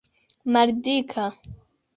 maldika